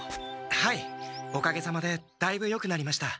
はいおかげさまでだいぶよくなりました。